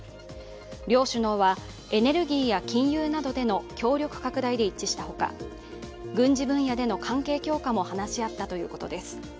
両首脳は、エネルギーや金融などでの協力拡大で一致したほか、軍事分野での関係強化も話し合ったということです。